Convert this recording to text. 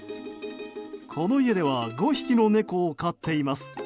この家では５匹の猫を飼っています。